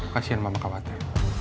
kasian mama khawatir